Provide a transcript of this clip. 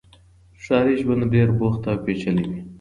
ښاري ژوند ډېر بوخت او پېچلی وي.